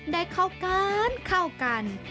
ได้เข้ากันเข้ากัน